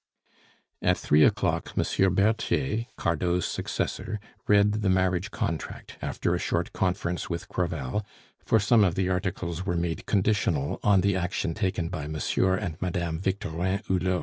At three o'clock Monsieur Berthier, Cardot's successor, read the marriage contract, after a short conference with Crevel, for some of the articles were made conditional on the action taken by Monsieur and Madame Victorin Hulot.